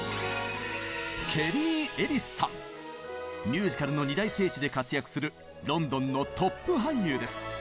ミュージカルの二大聖地で活躍するロンドンのトップ俳優です。